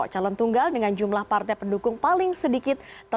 calon tunggal dengan jumlah partai pendukung paling sedikit